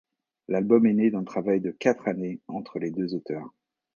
L'album est né d'un travail de quatre années entre les deux auteurs.